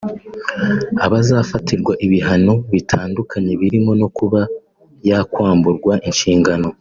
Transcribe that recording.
azafatirwa ibihano bitandukanye birimo no kuba yakwamburwa inshingano